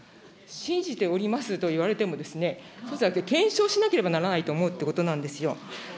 信じておりますと言われても、検証しなければならないと思うということなんですよ。